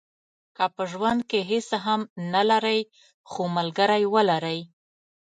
که په ژوند کې هیڅ هم نه لرئ خو ملګری ولرئ.